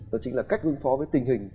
đó chính là cách đối phó với tình hình